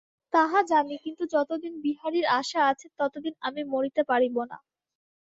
তাহা জানি, কিন্তু যতদিন বিহারীর আশা আছে, ততদিন আমি মরিতে পারিব না।